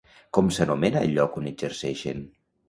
Com s'anomena el lloc on exerceixen?